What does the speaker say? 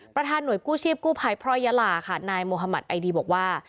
หน่วยกู้ชีพกู้ภัยพระยาลาค่ะนายโมฮามัติไอดีบอกว่า